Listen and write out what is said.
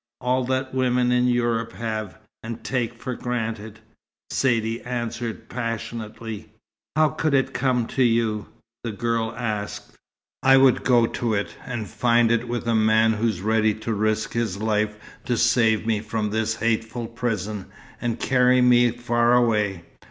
All that women in Europe have, and take for granted," Saidee answered passionately. "How could it come to you?" the girl asked. "I would go to it, and find it with the man who's ready to risk his life to save me from this hateful prison, and carry me far away.